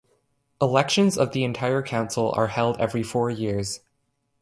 Elections of the entire council are held every four years.